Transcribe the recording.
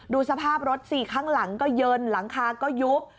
ดูสภาพรถสิข้างหลังก็เยินหลังคาก็ยุบ